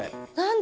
何？